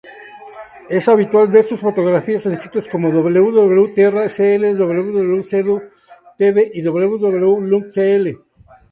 Es habitual ver sus fotografías en sitios como www.terra.cl, www.sedu.tv y www.lun.cl.